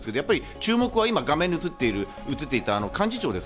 注目は今、画面に映っていた幹事長です。